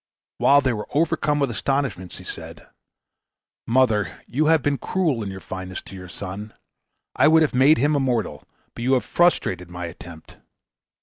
While they were overcome with astonishment, she said, "Mother, you have been cruel in your fondness to your son. I would have made him immortal, but you have frustrated my attempt.